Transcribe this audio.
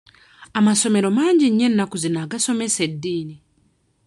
Amasomero mangi nnyo ennaku zino agasomesa eddiini.